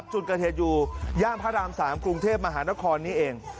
จุดเกิดเหตุอยู่ย่านพระราม๓กรุงเทพมหานครนี้เอง